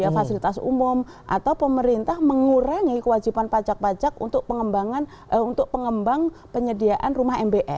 fasilitas umum atau pemerintah mengurangi kewajiban pajak pajak untuk pengembang penyediaan rumah mbr